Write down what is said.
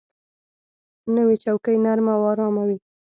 نوې چوکۍ نرمه او آرامه وي